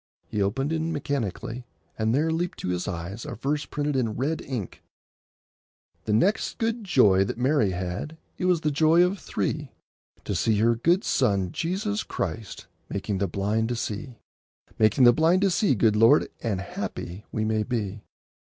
He opened in mechanically, and there leaped to his eyes a verse printed in red ink— The next good joy that Mary had, It was the joy of three, To see her good Son Jesus Christ Making the blind to see; Making the blind to see, good Lord, And happy we may be.